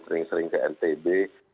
sering sering ke ntb